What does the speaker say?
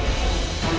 jangan saya ikut ya